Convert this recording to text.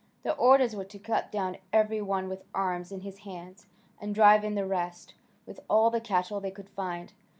Their orders were to cut down every one with arms in his hands, and drive in the rest, with all the cattle they could find.